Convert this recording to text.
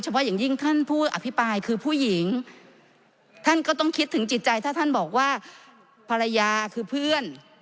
วันนี้สุดท้ายถ้าท่านบอกว่าภรรยาคือเพื่อน